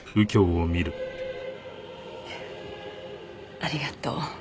ありがとう。